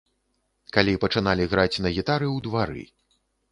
Калі пачыналі граць на гітары ў двары.